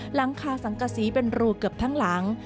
หลังคาสังกษีเป็นรูเกือบทั้งหลัง